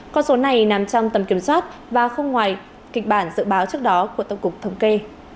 con số này nằm trong tầm kiểm soát và không ngoài kịch bản dự báo trước đó của tổng cục thống kê